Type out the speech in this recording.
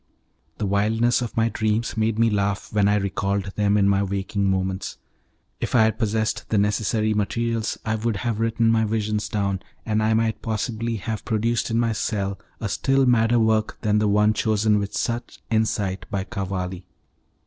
The wildness of my dreams made me laugh when I recalled them in my waking moments. If I had possessed the necessary materials I would have written my visions down, and I might possibly have produced in my cell a still madder work than the one chosen with such insight by Cavalli.